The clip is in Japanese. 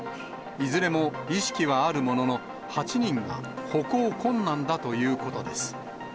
いずれも意識はあるものの、８人が歩行困難だということです。